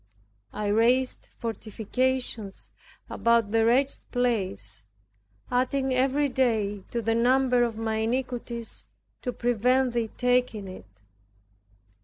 I raised fortifications about the wretched place, adding every day to the number of my iniquities to prevent Thee taking it.